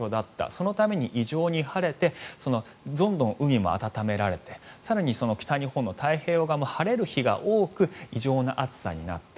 そのために異常に晴れてどんどん海も暖められて更に、北日本の太平洋側も晴れる日が多く異常な暑さになった。